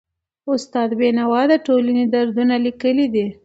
استاد بینوا د ټولني دردونه لیکلي دي.